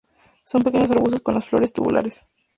Son pequeños arbustos con las flores tubulares.